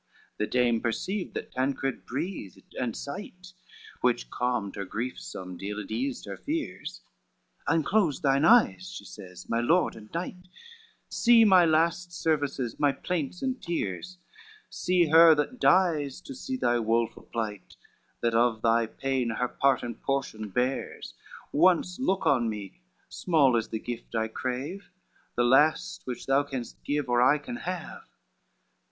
CX The dame perceived that Tancred breathed and sighed, Which calmed her grief somedeal and eased her fears: "Unclose thine eyes," she says, "my lord and knight, See my last services, my plaints and tears, See her that dies to see thy woful plight, That of thy pain her part and portion bears; Once look on me, small is the gift I crave, The last which thou canst give, or I can have."